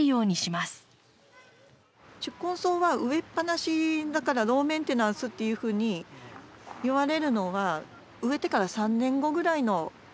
宿根草は植えっぱなしだからローメンテナンスっていうふうにいわれるのは植えてから３年後ぐらいの話です。